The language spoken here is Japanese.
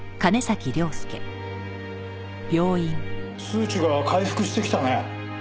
数値が回復してきたね。